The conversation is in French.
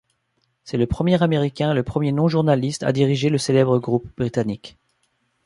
C'est le premier Américain et le premier non-journaliste à diriger le célèbre groupe britannique.